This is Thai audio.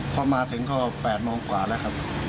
พอมาถึงแผ่นโมงกว่าแล้ว